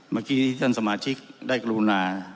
เมื่อกี้ที่ท่านสมาชิกได้กรุณา